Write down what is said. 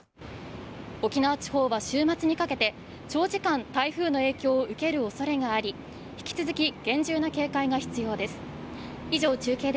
沖縄地方は週末にかけて、長時間、台風の影響を受けるおそれがあり、引き続き厳重な警戒が必要です。